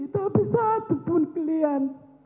tapi satu pun kalian